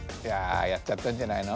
やっちゃったんじゃないの？